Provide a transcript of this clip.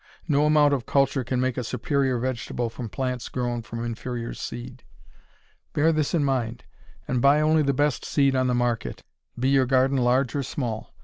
No amount of culture can make a superior vegetable from plants grown from inferior seed. Bear this in mind, and buy only the best seed on the market, be your garden large or small.